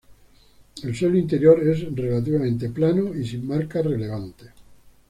El suelo interior es relativamente plano y sin marcas relevantes.